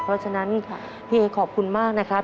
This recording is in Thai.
เพราะฉะนั้นพี่เอขอบคุณมากนะครับ